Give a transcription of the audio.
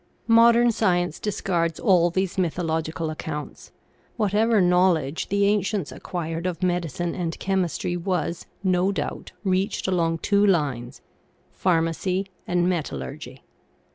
Modern science discards all these mythological accounts. Whatever knowledge the ancients acquired of medicine and chemistry was, no doubt, reached along two lines phar macy and metallurgy.